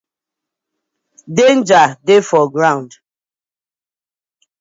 Danger dey for land.